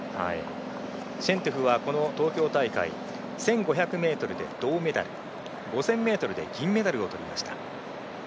シェントゥフはこの東京大会１５００ｍで銅メダル５０００ｍで銀メダルを取りました。